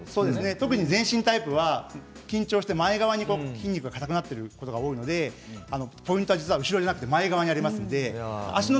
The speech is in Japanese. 特に前進タイプは緊張して前側の筋肉が硬くなっていることが多いのでポイントは前側にあります